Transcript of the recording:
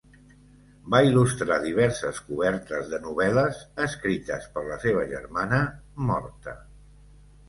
Va il·lustrar diverses cobertes de novel·les escrites per la seva germana morta.